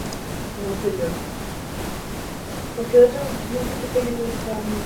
Esta expresión se usa bastante en tuberculosis y en infecciones de transmisión sexual.